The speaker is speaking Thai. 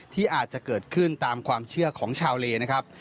ที่อาจจะเกิดขึ้นตามความเชื่อของชาวเลนะครับ